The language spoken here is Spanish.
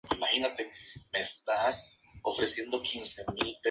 Su rango cronoestratigráfico abarcaba el Cretácico medio y superior.